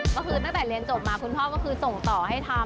ก็คือตั้งแต่เรียนจบมาคุณพ่อก็คือส่งต่อให้ทำ